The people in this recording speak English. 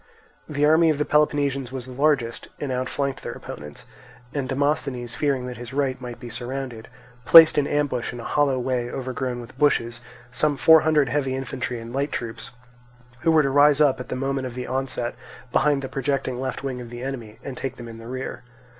The army of the Peloponnesians was the largest and outflanked their opponents; and Demosthenes fearing that his right might be surrounded, placed in ambush in a hollow way overgrown with bushes some four hundred heavy infantry and light troops, who were to rise up at the moment of the onset behind the projecting left wing of the enemy, and to take them in the rear.